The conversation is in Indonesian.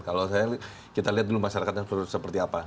kalau saya kita lihat dulu masyarakatnya seperti apa